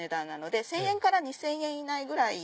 １０００円から２０００円以内ぐらい。